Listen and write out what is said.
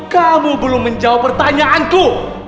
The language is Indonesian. kamu belum menjawab pertanyaanku